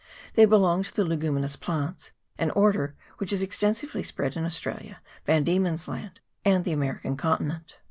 They belong to the leguminous plants, an order which is exten sively spread in Australia, Van Diemen's Land, and the American continent.